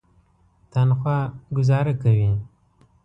تنخوا ګوزاره کوي.